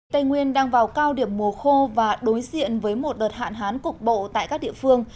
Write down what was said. tây nguyên đang vào cao điểm mùa khô và đối diện với một đợt hạn hán cục bộ tại các địa phương